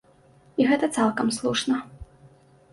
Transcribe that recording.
І гэта цалкам слушна.